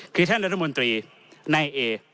คือท่านรัฐมนตรีในเอ